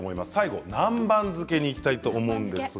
南蛮漬けにいきたいと思います。